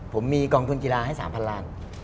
ผมมีกองทุนกีฬาให้๓๐๐ล้าน